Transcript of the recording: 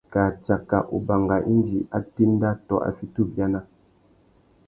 Kā tsaka ubanga indi a téndá tô a fiti ubiana.